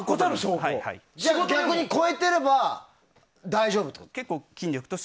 逆に超えてれば大丈夫ってこと？